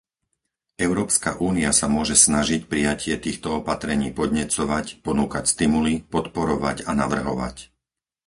Európska únia sa môže snažiť prijatie týchto opatrení podnecovať, ponúkať stimuly, podporovať a navrhovať.